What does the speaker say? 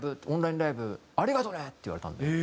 オンラインライブ」「ありがとね！」って言われたんで。